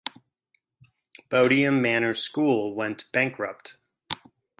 Bodiam Manor school went bankrupt.